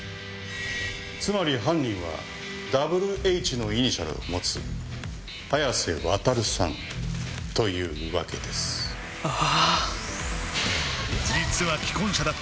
つまり犯人は「ＷＨ」のイニシャルを持つ早瀬わたるさんというわけですああ